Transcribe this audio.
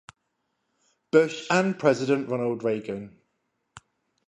Bush and President Ronald Reagan.